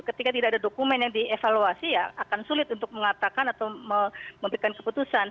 ketika tidak ada dokumen yang dievaluasi ya akan sulit untuk mengatakan atau memberikan keputusan